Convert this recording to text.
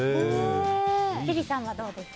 千里さんはどうですか。